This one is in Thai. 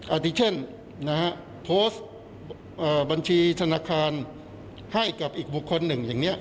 อาทิเช่นนะฮะโพสต์บัญชีธนาคารให้กับอีกบุคคลหนึ่งอย่างนี้